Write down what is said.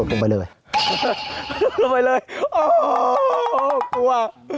ลงไปเลยโอ้โฮกลัว